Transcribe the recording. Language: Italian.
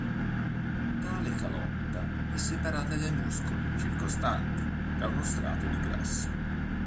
Tale calotta è separata dai muscoli circostanti da uno strato di grasso.